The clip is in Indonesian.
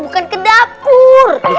bukan ke dapur